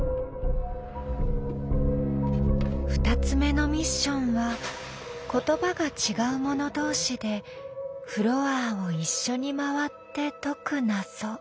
２つ目のミッションは言葉が違う者同士でフロアを一緒に回って解く謎。